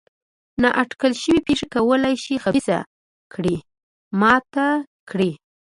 نا اټکل شوې پېښې کولای شي خبیثه کړۍ ماته کړي.